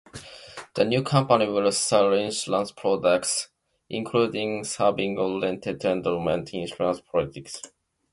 The new company will sell insurance products, including savings-oriented endowment insurance policies.